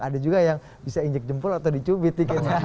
ada juga yang bisa injek jempol atau dicubit dikit